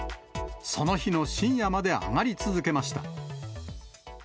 その日の深夜まで上がり続けました。